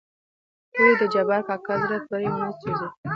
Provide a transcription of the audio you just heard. ولې دجبار کاکا زړه پرې ونه سوزېد .